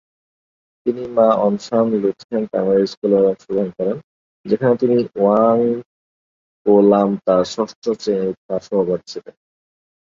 তিনি Ma On Shan Lutheran primary স্কুলে অংশগ্রহণ করেন, যেখানে তিনি ওয়াং পো-লাম তার ষষ্ঠ শ্রেণীর সহপাঠী ছিলেন।